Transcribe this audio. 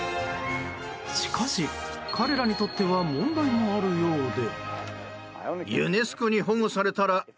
しかし、彼らにとっては問題もあるようで。